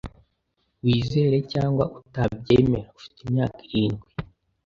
Wizere cyangwa utabyemera, afite imyaka karindwi